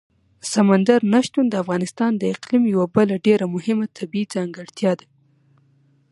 سمندر نه شتون د افغانستان د اقلیم یوه بله ډېره مهمه طبیعي ځانګړتیا ده.